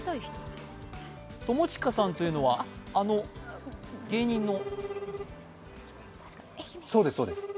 友近さんというのはあの芸人の。